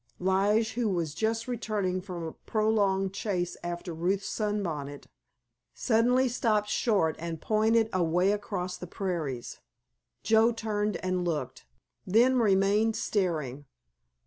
Lige, who was just returning from a prolonged chase after Ruth's sunbonnet, suddenly stopped short and pointed away across the prairies. Joe turned and looked, then remained staring.